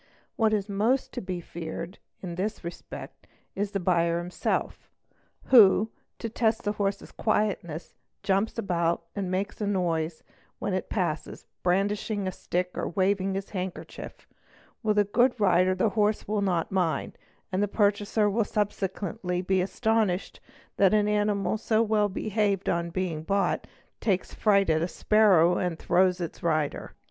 What is most to be feared in this respect is the buyer himsel who, to test the horse's quietness, jumps about and makes a noise whem it passes, brandishing his stick or waving his handkerchief ; with a o0C rider the horse will not mind, and the purchaser will subsequently I astonished that an animal, so well behaved on being bought, takes frig at a sparrow and throws its rider.